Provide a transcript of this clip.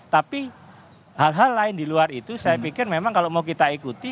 tapi hal hal lain di luar itu saya pikir memang kalau mau kita ikuti